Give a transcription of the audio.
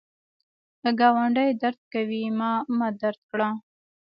که ګاونډی درد کوي، تا مه درد کړه